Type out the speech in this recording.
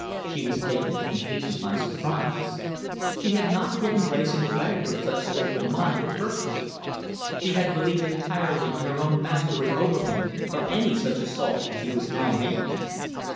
She was taken completely by surprise. She had not given Wrayson credit for such strength of mind or purpose. She had believed entirely in her own mastery over him, for any such assault as he was now making.